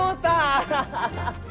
アハハハ！